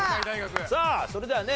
さあそれではね